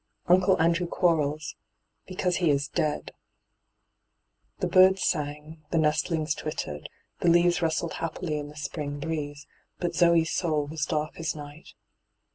Unole Andrew Quarles — because he is dead I' The birds sang, the nestlings twittered, the teaves rustled happily in the spring breeze, but Zoe's soul was dark as night.